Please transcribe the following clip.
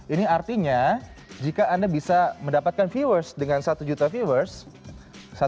ini artinya jika anda bisa mendapatkan viewers dengan satu juta viewers